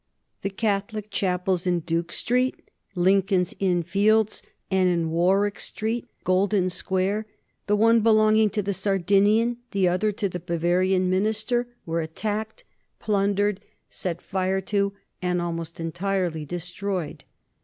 The Catholic chapels in Duke Street, Lincoln's Inn Fields, and in Warwick Street, Golden Square the one belonging to the Sardinian, the other to the Bavarian Minister were attacked, plundered, set fire to, and almost entirely destroyed.